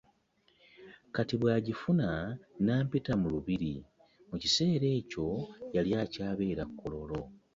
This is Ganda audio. Kati bw’agifuna n’ampita mu lubiri, mu kiseera ekyo yali akyabeera Kololo.